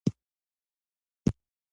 ښه الوت برابري لټوم ، چېرې ؟